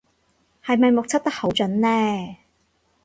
係咪目測得好準呢